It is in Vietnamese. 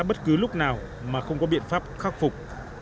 bất cứ lúc nào mà không có biện pháp khắc phục